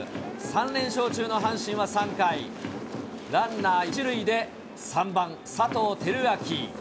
３連勝中の阪神は３回、ランナー１塁で、３番佐藤輝明。